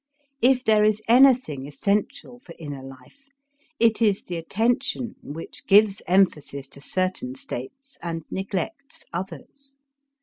If there is anything essential for inner life, it is the attention which gives emphasis to certain states and neglects others.